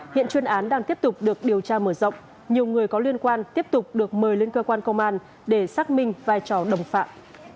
hiện chuyên án đang tiếp tục được điều tra mở rộng nhiều người có liên quan tiếp tục được mời lên cơ quan công an để xác minh vai trò đồng phạm